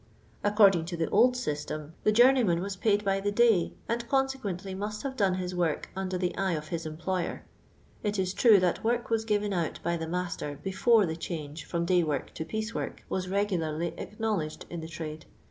Aiv.rdir.u to the old system, the LONDOX LABOUR AXD THE LONDON POOR. S29 journeyman was paid by the day, aiid coiim quentiy must have done his work under the eye of his employer. It is true that work m'hs given out by the m.ister before the chanj^e from day work to piece work was regularly acknowledged in the tmde.